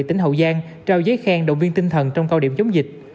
tỉnh hậu giang trao giấy khen động viên tinh thần trong cao điểm chống dịch